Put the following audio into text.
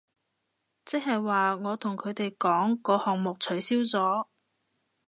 即係話我同佢哋講個項目取消咗